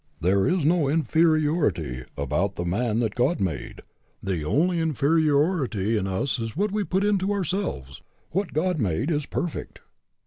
There is no inferiority about the man that God made. The only inferiority in us is what we put into ourselves. , What God made is perfect.